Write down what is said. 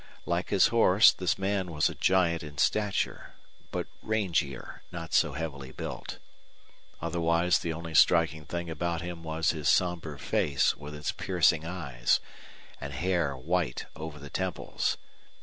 Like his horse, this man was a giant in stature, but rangier, not so heavily built. Otherwise the only striking thing about him was his somber face with its piercing eyes, and hair white over the temples.